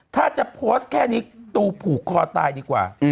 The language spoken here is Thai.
ถ้าจะโพสต์แค่นี้ตูผูกคอตายดีกว่า